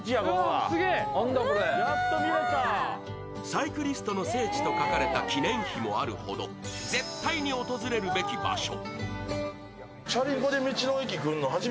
サイクリストの聖地と書かれた記念碑もあるほど絶対に訪れるべき場所。